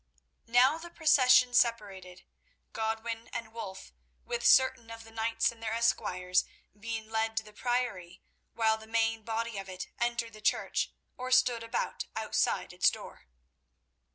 Now the procession separated, Godwin and Wulf, with certain of the knights and their esquires, being led to the Priory, while the main body of it entered the church, or stood about outside its door.